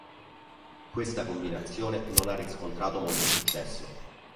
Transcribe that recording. Questa combinazione non ha riscontrato molto successo.